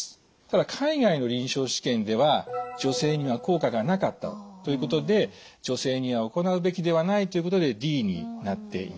ただ海外の臨床試験では女性には効果がなかったということで女性には行うべきではないということでＤになっています。